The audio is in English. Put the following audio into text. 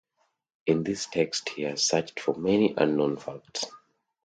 In this text he has searched for many unknown facts.